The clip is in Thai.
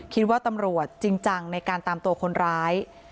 คิดว่าตำรวจจริงจังในการตามตัวคนร้าย